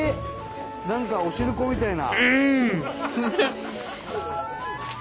何かお汁粉みたいな。